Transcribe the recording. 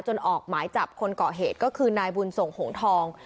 ออกหมายจับคนเกาะเหตุก็คือนายบุญส่งหงทอง